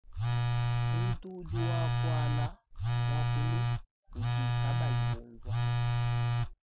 Muntu udi wakuala muakulu udibu kabayi bunvua.